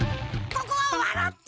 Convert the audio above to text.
ここはわらって！